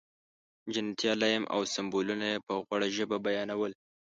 جنتي علایم او سمبولونه یې په غوړه ژبه بیانول.